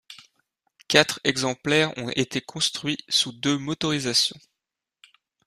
Quatre exemplaires ont été construits sous deux motorisations.